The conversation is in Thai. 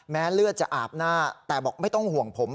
เลือดจะอาบหน้าแต่บอกไม่ต้องห่วงผม